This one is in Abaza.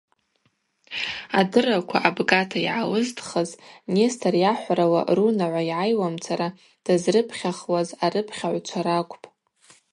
Адырраква абгата йгӏалызтхыз Нестор йахӏварала рунагӏва йгӏайуамцара дазрыпхьахуаз арыпхьагӏвчва ракӏвпӏ.